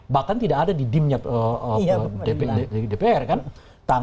bahkan tidak ada di dpr kan